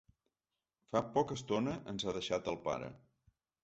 Fa poca estona ens ha deixat el pare.